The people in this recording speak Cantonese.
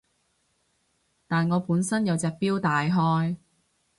但我本身有隻錶戴開